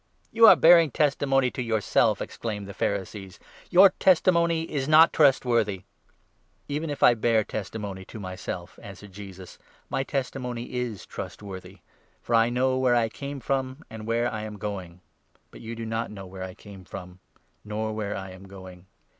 "You are bearing testimony to yourself !" exclaimed the 13 Pharisees, "your testimony is not trustworthy." " Even if I bear testimony to myself," answered Jesus, " my 14 testimony is trustworthy ; for I know where I came from, and where I am going ; but you do not know where I come from, nor where I. am going.